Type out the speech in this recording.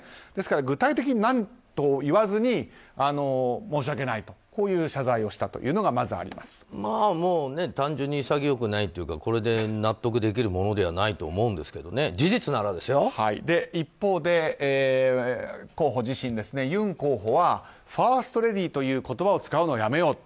具体的に何といわずに申し訳ないとこういう謝罪をしたというのが単純に潔くないというか納得できるものではないと思うんですけど一方でユン候補はファーストレディーという言葉を使うのをやめようと。